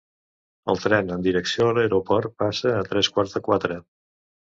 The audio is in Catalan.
El tren en direcció a l'aeroport passa a tres quarts de quatre